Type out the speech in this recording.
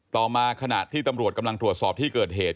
ต่อมาขณะที่ตำรวจกำลังตรวจสอบที่เกิดเหตุ